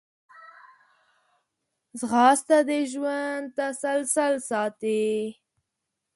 ځغاسته د ژوند تسلسل ساتي